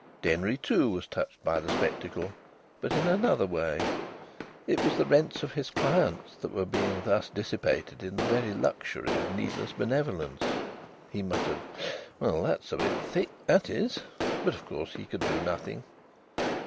Denry, too, was touched by the spectacle, but in another way. It was the rents of his clients that were being thus dissipated in a very luxury of needless benevolence. He muttered: "Well, that's a bit thick, that is!" But of course he could do nothing.